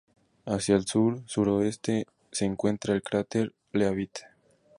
Hacia el sur-sureste se encuentra el cráter Leavitt.